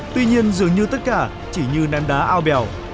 tuy nhiên dường như tất cả chỉ như ném đá ao bèo